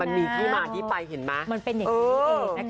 มันมีที่มาที่ไปเห็นมั้ย